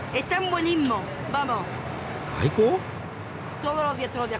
最高？